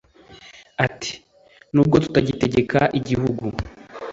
ati: “n’ubwo tutagitegeka igihugu,